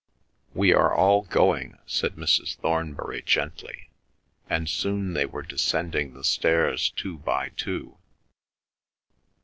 "We are all going," said Mrs. Thornbury gently, and soon they were descending the stairs two by two.